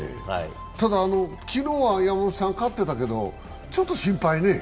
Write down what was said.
ただ昨日は勝ってたけど、ちょっと心配ね。